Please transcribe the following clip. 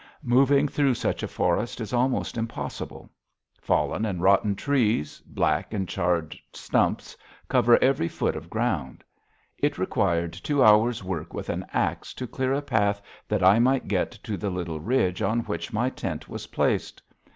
Moving through such a forest is almost impossible. Fallen and rotten trees, black and charred stumps cover every foot of ground. It required two hours' work with an axe to clear a path that I might get to the little ridge on which my tent was placed.